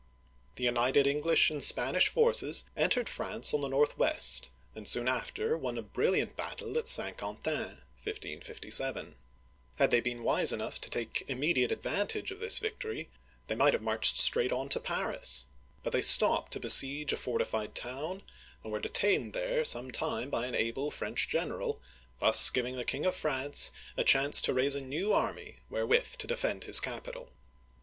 The united English and Spanish forces entered France on the northwest, and soon after won a brilliant battle at St. Quentin (saN kaN taN', 1557). Had they been wise enough to take immediate advantage of this victory, they might have marched straight on to Paris ; but they stopped to besiege a fortified town, and were detained there some time by an able French general, thus giving the King of France a chance to raise a new army wherewith to' uigitizea oy VjOOQIC 248 OLD FRANCE defend his capital.